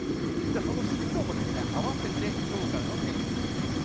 その湿度もあわせて今日からの天気を見ていきます。